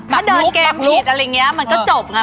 ถ้าเดินเกมผิดอะไรอย่างนี้มันก็จบไง